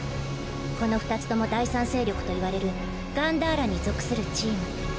この２つとも第３勢力といわれるガンダーラに属するチーム。